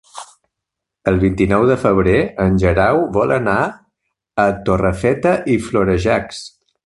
El vint-i-nou de febrer en Guerau vol anar a Torrefeta i Florejacs.